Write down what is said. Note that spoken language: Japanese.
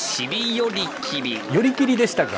寄り切りでしたか。